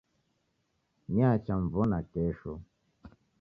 Niacha mw'ona kesho